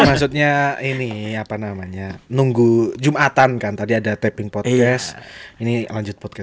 maksudnya ini apa namanya nunggu jumatan kan tadi ada tapping podcast ini lanjut podcast